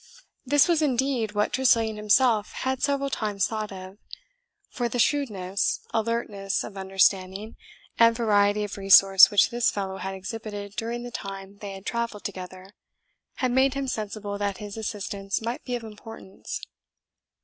This was indeed what Tressilian himself had several times thought of; for the shrewdness, alertness of understanding, and variety of resource which this fellow had exhibited during the time they had travelled together, had made him sensible that his assistance might be of importance.